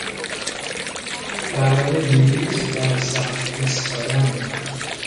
برای بلیت در صف ایستادن